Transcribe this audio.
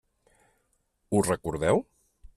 Ho recordeu?